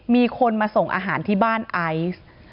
มีคนมาส่งอาหารที่บ้านไอซ์